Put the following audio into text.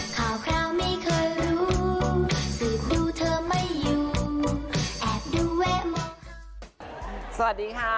สวัสดีค่ะ